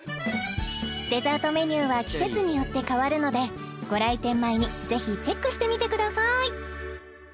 デザートメニューは季節によって変わるのでご来店前にぜひチェックしてみてください